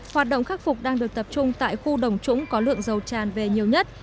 hoạt động khắc phục đang được tập trung tại khu đồng trũng có lượng dầu tràn về nhiều nhất